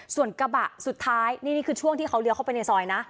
ส่วนกระบะสุดท้ายนี่คือช่วงที่เขาเลี้ยเข้าไปในซอยนะ